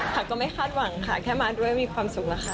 ก็ไม่คาดหวังค่ะแค่มาด้วยมีความสุขแล้วค่ะ